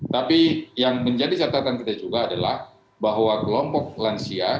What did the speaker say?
tapi yang menjadi catatan kita juga adalah bahwa kelompok lansia